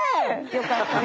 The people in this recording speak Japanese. よかったね！